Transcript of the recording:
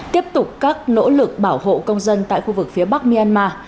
tiếp tục các nỗ lực bảo hộ công dân tại khu vực phía bắc myanmar